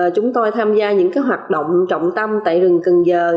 chúng tôi tham gia những hoạt động trọng tâm tại rừng cần giờ